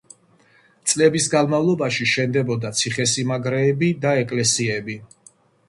წლების განმავლობაში, შენდებოდა ციხესიმაგრეები და ეკლესიები.